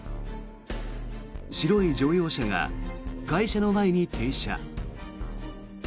白い乗用車が会社の前に停車。